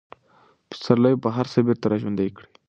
پسرلی به هر څه بېرته راژوندي کړي.